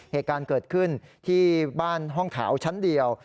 เหตุการณ์เกิดขึ้นที่บ้านห้องขาวชั้นเดียว